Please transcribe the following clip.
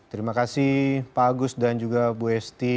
terima kasih pak agus dan juga bu esti